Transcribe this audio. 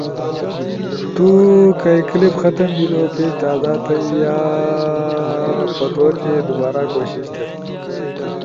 تو کائی کلپ ختم بیلو- پیج تازا تھئی، یا پتوتے دوبارا کوشش تھئی۔